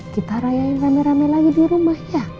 kita rayain rame rame lagi di rumah ya